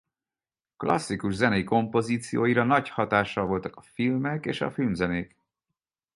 Klasszikus zenei kompozícióira nagy hatással voltak a filmek és a filmzenék.